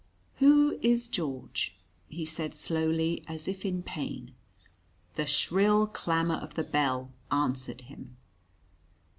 "Who is George?" he said slowly, as if in pain. The shrill clamour of the bell answered him.